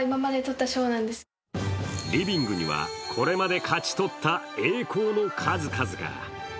リビングにはこれまで勝ち取った栄光の数々が。